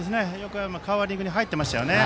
カバーリングによく入っていましたね。